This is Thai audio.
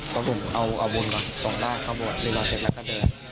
เพราะผมเอาบุญมาส่งมาเข้าบนดูมาเสร็จแล้วก็เดิน